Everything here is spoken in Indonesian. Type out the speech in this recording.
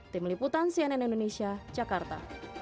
tim liputan cnn indonesia jakarta